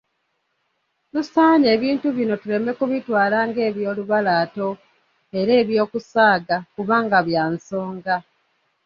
Tusaanye ebintu bino tuleme kubitwala ng'ebyolubalaato, era eby'okusaaga kubanga bya nsonga !